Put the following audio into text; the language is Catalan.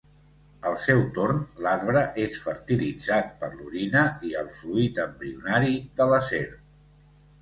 Al seu torn, l'arbre és fertilitzat per l'orina i el fluid embrionari de la serp.